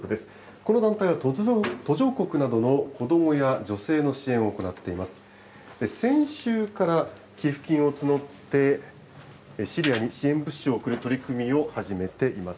この団体は途上国などの子どもや女性の支援を行っています。